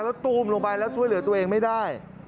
แล้วตูมลงไปแล้วช่วยเหลือตัวเองไม่ได้